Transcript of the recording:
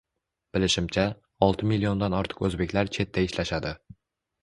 Bilishimcha, olti milliondan ortiq oʻzbeklar chetda ishlashadi